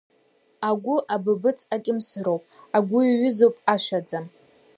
Агәы абыбыц акьымсыроуп, агәы аҩызоуп ашәаӡа!